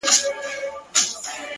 سیاه پوسي ده، دا دی لا خاندي،